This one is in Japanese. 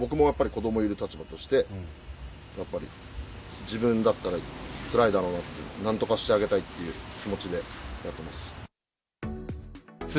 僕も子供がいる立場として、自分だったらつらいだろうなって、何とかしてあげたいっていう気持ちでやってます。